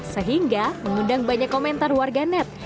sehingga mengundang banyak komentar warga net